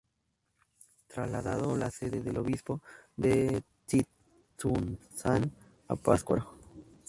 Trasladó la sede del obispo de Tzintzuntzan a Pátzcuaro.